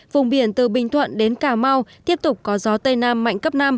vùng biển từ bình thuận đến cà mau tiếp tục có gió tây nam mạnh cấp năm